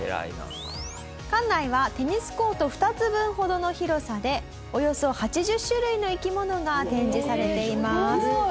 館内はテニスコート２つ分ほどの広さでおよそ８０種類の生き物が展示されています。